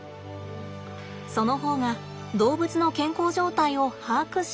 その方が動物の健康状態を把握しやすいからです。